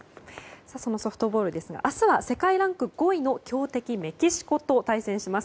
そのソフトボールですが明日は世界ランク５位の強敵、メキシコと対戦します。